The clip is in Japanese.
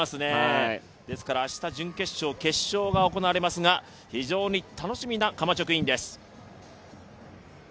ですから、明日準決勝、決勝が行われますが非常に楽しみなカマチョ・クインです。